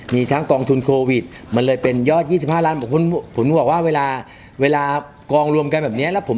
มีทั้งกองทุนโควิดมันเลยเป็นยอด๒๕ล้านผมคุณคุณคุณบอกว่าเวลากองรวมกันแบบนี้